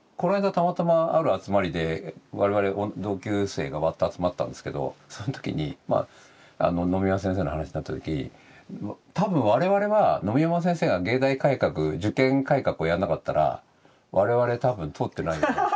たまたまある集まりで我々同級生がわって集まったんですけどその時に野見山先生の話になった時多分我々は野見山先生が藝大改革受験改革をやんなかったら我々多分通ってないっていう。